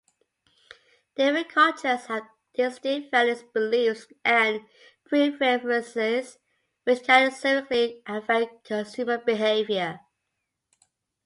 Different cultures have distinct values, beliefs, and preferences, which can significantly affect consumer behavior.